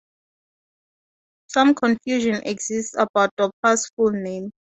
Some confusion exists about Doppler's full name.